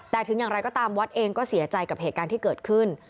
แต่ถึงอย่างไรก็ตามวัดเองก็เสียใจกับเหตุการณ์ที่เกิดขึ้น